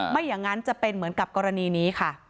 ไม่อย่างนั้นจะเป็นเหมือนกับกรณีนี้ค่ะ